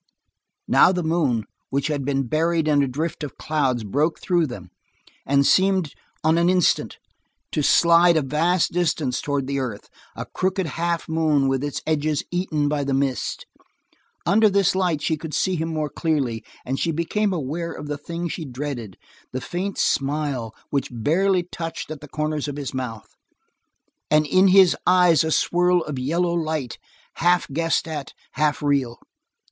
Now the moon, which had been buried in a drift of clouds, broke through them, and seemed in an instant to slide a vast distance towards the earth, a crooked half moon with its edges eaten by the mist. Under this light she could see him more clearly, and she became aware of the thing she dreaded, the faint smile which barely touched at the corners of his mouth; and in his eyes a swirl of yellow light, half guessed at, half real.